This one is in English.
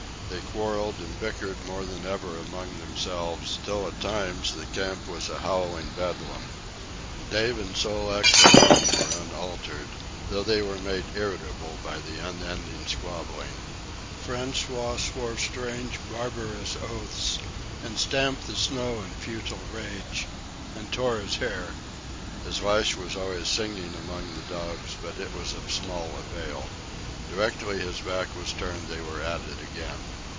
They quarrelled and bickered more than ever among themselves, till at times the camp was a howling bedlam. Dave and Sol leks alone were unaltered, though they were made irritable by the unending squabbling. François swore strange barbarous oaths, and stamped the snow in futile rage, and tore his hair. His lash was always singing among the dogs, but it was of small avail. Directly his back was turned they were at it again.